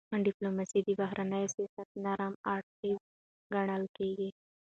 ډيپلوماسي د بهرني سیاست نرم اړخ ګڼل کېږي.